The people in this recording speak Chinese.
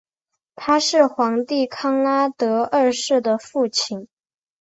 他是皇帝康拉德二世的父亲。